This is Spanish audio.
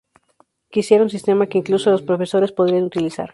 Quiera un sistema que "incluso los profesores podrían utilizar".